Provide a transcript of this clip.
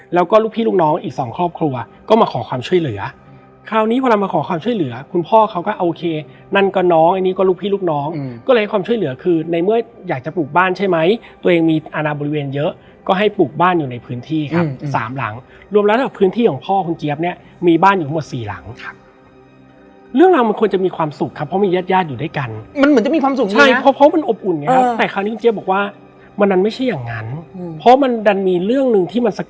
แล้วก็ลูกพี่ลูกน้องอีกสองครอบครัวก็มาขอความช่วยเหลือคราวนี้พอเรามาขอความช่วยเหลือคุณพ่อเขาก็เอาโอเคนั่นก็น้องอันนี้ก็ลูกพี่ลูกน้องก็เลยให้ความช่วยเหลือคือในเมื่ออยากจะปลูกบ้านใช่ไหมตัวเองมีอาณาบริเวณเยอะก็ให้ปลูกบ้านอยู่ในพื้นที่ครับสามหลังรวมแล้วกับพื้นที่ของพ่อคุณเจี๊ยบเนี่ย